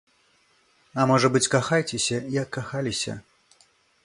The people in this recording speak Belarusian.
А можа быць, кахайцеся, як кахаліся.